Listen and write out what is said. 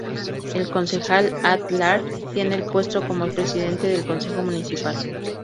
El concejal "at large" tiene el puesto como el presidente del consejo municipal.